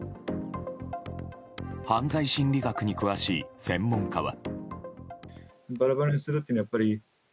犯罪心理学に詳しい専門家は。